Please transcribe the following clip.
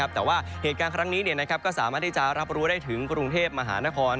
แต่ว่าเหตุการณ์ครั้งนี้ก็สามารถที่จะรับรู้ได้ถึงกรุงเทพมหานคร